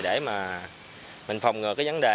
để mà mình phòng ngừa cái vấn đề